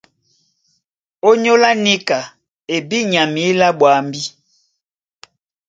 ÓnyÓlá níka e bí nya mǐlá ɓwambí?